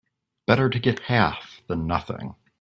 Better to get half than nothing.